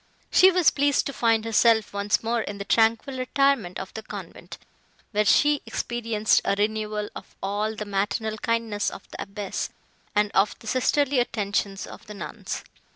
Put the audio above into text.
She was pleased to find herself once more in the tranquil retirement of the convent, where she experienced a renewal of all the maternal kindness of the abbess, and of the sisterly attentions of the nuns.